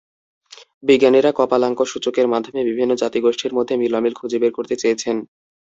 বিজ্ঞানীরা কপালাঙ্ক সূচকের মাধ্যমে বিভিন্ন জাতি-গোষ্ঠীর মধ্যে মিল-অমিল খুঁজে বের করতে চেয়েছেন।